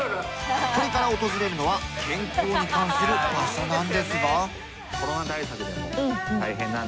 これから訪れるのは健康に関する場所なんですが。